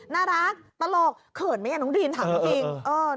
น่ารักตลกเขินไหมน้องดรีนถามจริง